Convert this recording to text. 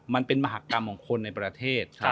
มันเป็นมหากรรมของคนในประเทศ